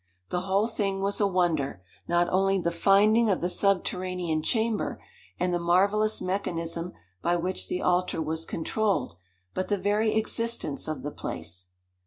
The whole thing was a wonder, not only the finding of the subterranean chamber and the marvelous mechanism by which the altar was controlled, but the very existence of the place.